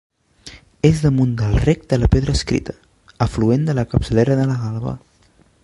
És damunt del Rec de la Pedra Escrita, afluent de la capçalera de la Galba.